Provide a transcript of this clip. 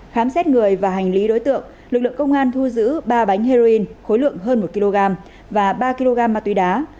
khám xét người và hành lý đối tượng lực lượng công an thu giữ ba bánh heroin khối lượng hơn một kg và ba kg ma túy đá